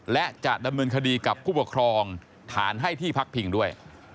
และจะดำเนินคดีกับผู้ปกครองฐานให้ที่พักพิงด้วย